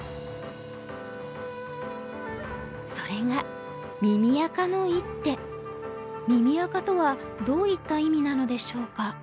それが「耳赤」とはどういった意味なのでしょうか。